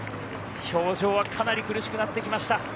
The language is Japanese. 表情はかなり苦しくなってきました。